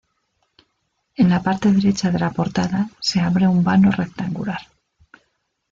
En la parte derecha de la portada se abre un vano rectangular.